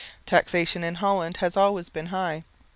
Taxation in Holland has always been high.